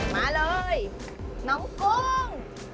มาเลยน้องกุ้ง